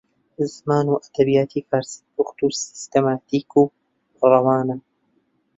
زمان و ئەدەبیاتی فارسی پوختە و سیستەماتیک و ڕەوانە